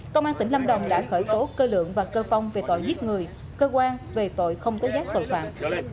công an tỉnh lâm đồng đã khởi tố cơ lượng và cơ phong về tội giết người cơ quan về tội không tố giác tội phạm